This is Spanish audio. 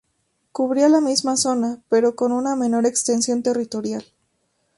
Cubría la misma zona, pero con una menor extensión territorial.